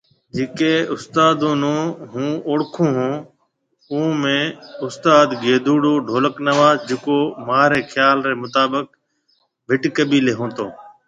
جڪي استادون ني هون اوڙکون ھوناوئون ۾ استاد گيدُوڙو ڍولڪ نواز جڪو ماهري خيال ري مطابق ڀٽ قبيلي ھونهتو